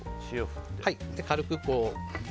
軽く。